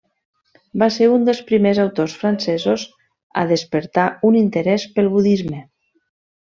Va ser un dels primers autors francesos a despertar un interès pel budisme.